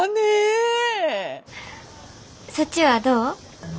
そっちはどう？